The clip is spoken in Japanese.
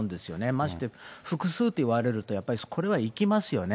まして複数と言われると、やっぱりこれはいきますよね。